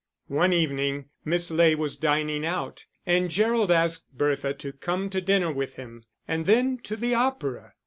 One evening Miss Ley was dining out, and Gerald asked Bertha to come to dinner with him, and then to the opera.